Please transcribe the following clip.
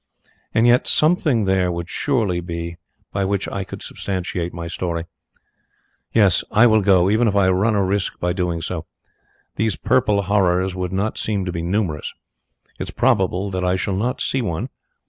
And yet something there would surely be by which I could substantiate my story. Yes, I will go, even if I run a risk by doing so. These purple horrors would not seem to be numerous. It is probable that I shall not see one.